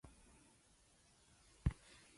It lies west of Moorefield.